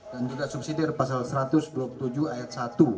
dan juga subsidi pasal satu ratus dua puluh tujuh ayat satu